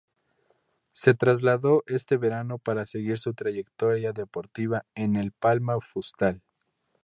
Se trasladó este verano para seguir su trayectoria deportiva en el Palma Futsal.